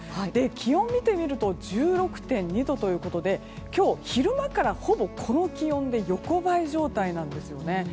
気温を見てみると１６．２度ということで今日昼間からほぼこの気温で横這い状態なんですね。